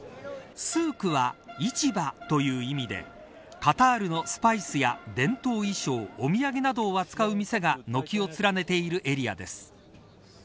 スークは市場という意味でカタールのスパイスや伝統衣装お土産などを扱う店が軒を連ねているエリアです。